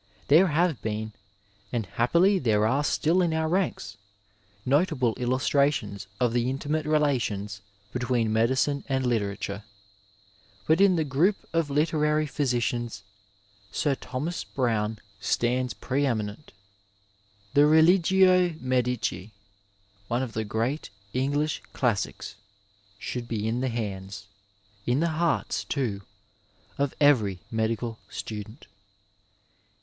There have been, and, happily, there are still in our ranks notable illustrations of the inti mate relations between medicine and literature, but in the group of literary physicians Sir Thomas Browne stands preeminent. The Religio Medici, one of the great English classics, should be in the hands — ^in the hearts too — of every medical student.